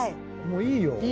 もういいよ。